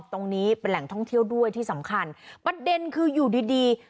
ตรงนี้เป็นแหล่งท่องเที่ยวด้วยที่สำคัญประเด็นคืออยู่ดีดี